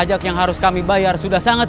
munding kau periksa orang itu